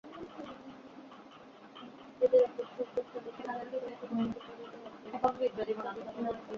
এতে রেকর্ডসংখ্যক সদস্যের ভোট পেয়ে সভাপতি পদে জয়লাভ করেন সাজেদা বানু।